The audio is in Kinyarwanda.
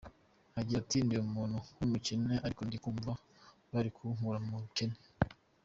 Agira ati “Ndi umuntu w’umukene ariko ndi kumva bari kunkura mu bukene.